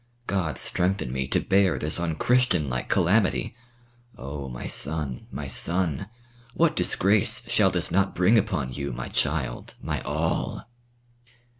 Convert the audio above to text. "God strengthen me to bear this un Christian like calamity. Oh, my son, my son! What disgrace shall this not bring upon you, my child, my all!"